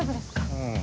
うん。